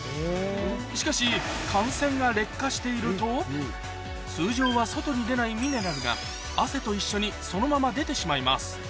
しかし汗腺が劣化していると通常は外に出ないミネラルが汗と一緒にそのまま出てしまいます